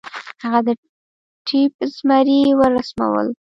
هغه د ټېپ مزي ورسمول.